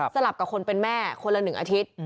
ลับกับคนเป็นแม่คนละ๑อาทิตย์